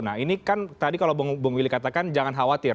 nah ini kan tadi kalau bung willy katakan jangan khawatir